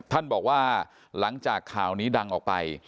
ท่านบอกว่าหลังจากข่าวนี้ดังออกไป